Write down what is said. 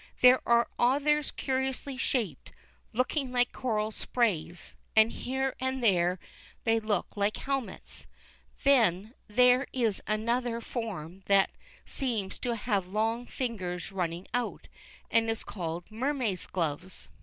There are others curiously shaped, looking like coral sprays, and here and there they look like helmets; then there is another form that seems to have long fingers running out, and is called "mermaid's gloves."